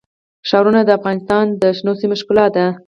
ښارونه د افغانستان د شنو سیمو ښکلا ده.